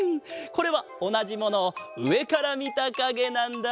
これはおなじものをうえからみたかげなんだ。